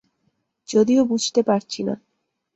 যদিও বুঝতে পারছি না।